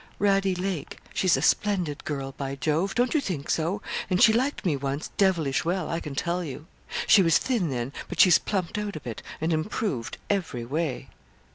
'Radie Lake she's a splendid girl, by Jove! Don't you think so? and she liked me once devilish well, I can tell you. She was thin then, but she has plumped out a bit, and improved every way.'